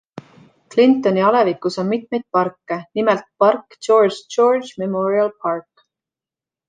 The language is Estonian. Clintoni alevikus on mitmeid parke, nimelt park George George Memorial Park.